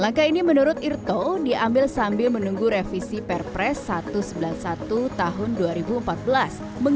langkah ini menurut irto diambil saat ini untuk mencapai kelangkaan perthelite di masyarakat ini